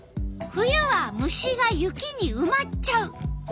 「冬は虫が雪にうまっちゃう」。